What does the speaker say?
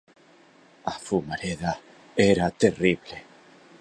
A fumareda era terrible...